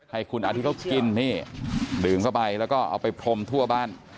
ให้คุณอาทิตย์เขากินนี่ดื่มเข้าไปแล้วก็เอาไปพรมทั่วบ้าน